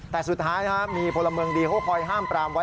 แต่สุดท้ายนะครับมีพลเมืองดีเขาคอยห้ามปรามไว้